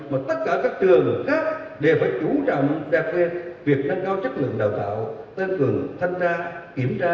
mà tất cả các trường khác đều phải chú trọng đạt kết việc nâng cao chất lượng đào tạo tân cường thanh tra kiểm tra giám sát chất lượng đầu ra